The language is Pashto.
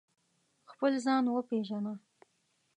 خپل ځان و پېژنه